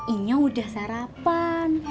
ini udah sarapan